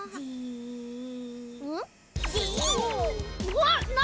うわっ何？